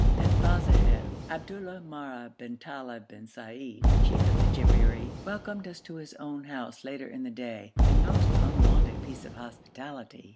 At Bazahel, Abdullah Mareh bin Talib bin Said, chief of the Jabberi, welcomed us to his own house later in the day, a most unwonted piece of hospitality.